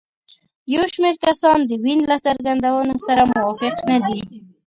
یو شمېر کسان د وین له څرګندونو سره موافق نه دي.